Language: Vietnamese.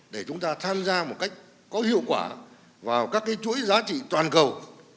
để chúng ta tham gia một cách có hiệu quả vào các chuỗi giá trị toàn cầu